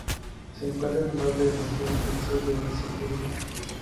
Se encuentra en el norte de Argentina, el sur de Brasil y Uruguay.